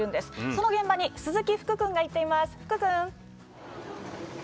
その現場に鈴木福君が行っています。